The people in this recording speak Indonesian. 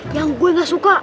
yang gue gak suka